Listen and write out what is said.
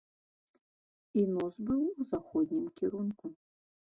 І нос быў у заходнім кірунку.